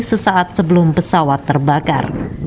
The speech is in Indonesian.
sesaat sebelum pesawat terbakar